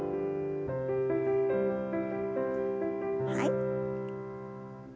はい。